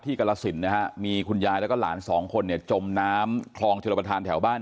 กรสินนะฮะมีคุณยายแล้วก็หลานสองคนเนี่ยจมน้ำคลองชลประธานแถวบ้าน